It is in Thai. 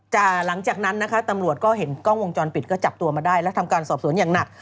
แต่หลังจากนั้นนะคะตำรวจก็เห็นกล้องวงจรปิดก็จับตัวมาได้และทำการสอบสวนอย่างหนัก